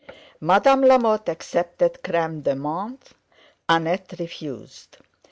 Madame Lamotte accepted creme de menthe; Annette refused.